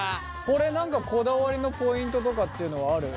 これ何かこだわりのポイントとかっていうのはある？